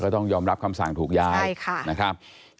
ก็ต้องยอมรับคำสั่งถูกย้ายใช่ค่ะนะครับ